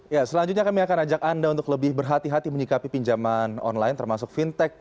ya selanjutnya kami akan ajak anda untuk lebih berhati hati menyikapi pinjaman online termasuk fintech